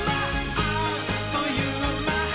あっというまっ！」